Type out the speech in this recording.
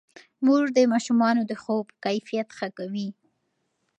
مور د ماشومانو د خوب کیفیت ښه کوي.